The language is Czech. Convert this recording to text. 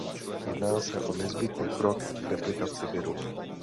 Jedná se o nezbytný krok k replikaci viru.